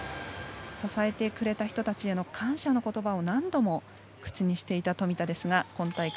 支えてくれた人たちへの感謝の言葉を何度も口にしていた富田ですが今大会